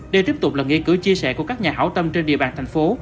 đây tiếp tục là nghĩa cử chia sẻ của các nhà hảo tâm trên địa bàn thành phố